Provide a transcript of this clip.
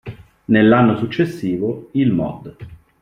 Nell'anno successivo, il Mod.